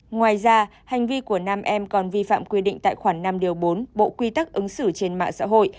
ngoài ra hành vi của nam em còn vi phạm quy định tại khoản năm điều bốn bộ quy tắc ứng xử trên mạng xã hội